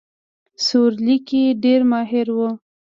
سورلۍ کې ډېر ماهر وو.